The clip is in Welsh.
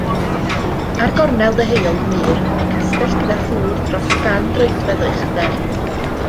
Ar gornel ddeheuol y mur mae castell gyda thŵr dros gan troedfedd o uchder.